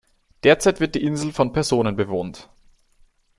Derzeit wird die Insel von Personen bewohnt.